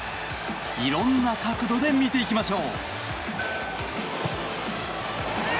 色んな角度で見ていきましょう。